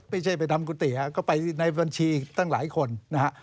ไม่ใช่ไปทำกุฏิฮะก็ไปในบัญชีตั้งหลายคนนะฮะ